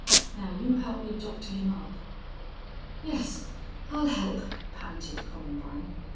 Now you help me doctor him up." "Yes I'll help," panted Columbine.